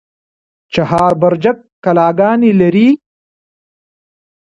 چهار برجک کلاګانې لري؟